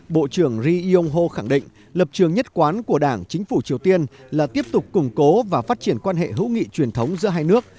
bộ trưởng ri yong ho khẳng định lập trường nhất quán của đảng chính phủ triều tiên là tiếp tục củng cố và phát triển quan hệ hữu nghị truyền thống giữa hai nước